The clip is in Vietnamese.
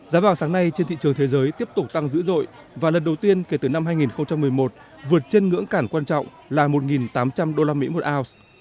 giá vàng sáng nay trên thị trường thế giới tiếp tục tăng dữ dội và lần đầu tiên kể từ năm hai nghìn một mươi một vượt trên ngưỡng cản quan trọng là một tám trăm linh usd một ounce